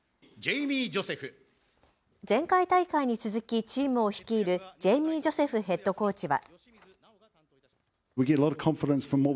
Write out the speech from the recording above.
前回大会に続きチームを率いるジェイミー・ジョセフコーチは。